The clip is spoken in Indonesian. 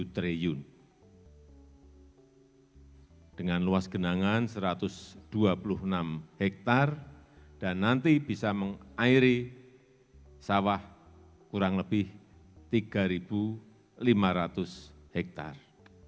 satu triliun dengan luas genangan satu ratus dua puluh enam hektare dan nanti bisa mengairi sawah kurang lebih tiga lima ratus hektare